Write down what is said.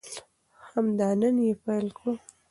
همدا نن یې پیل کړو.